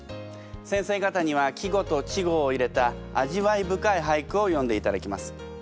先生方には季語と稚語を入れた味わい深い俳句を詠んでいただきます。